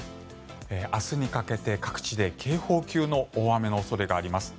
明日にかけて各地で警報級の大雨の恐れがあります。